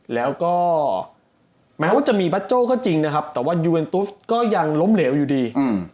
แล้วก็แม้ว่าจะมีบัตโจ้ก็จริงนะครับแต่ว่ายูเอ็นตุสก็ยังล้มเหลวอยู่ดี